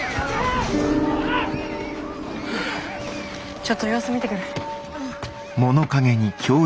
ちょっと様子見てくる。